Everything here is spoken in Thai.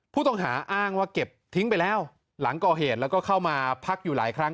ผู้ต้องหาอ้างว่าเก็บทิ้งไปแล้วหลังก่อเหตุแล้วก็เข้ามาพักอยู่หลายครั้ง